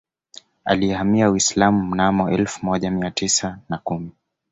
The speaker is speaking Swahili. Aliyehamia Uislamu mnamo elfu moja Mia tisa na kumi